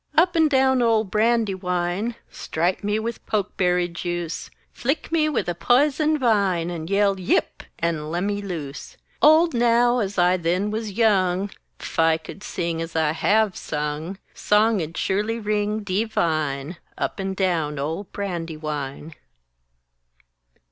_ Up and down old Brandywine!... Stripe me with pokeberry juice! Flick me with a pizenvine And yell "Yip!" and lem me loose! Old now as I then wuz young, 'F I could sing as I have sung, Song 'ud surely ring dee vine Up and down old Brandywine!